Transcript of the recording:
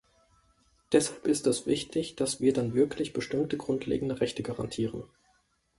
Deshalb ist es wichtig, dass wir dann wirklich bestimmte grundlegende Rechte garantieren.